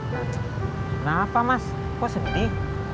kenapa mas kok sedih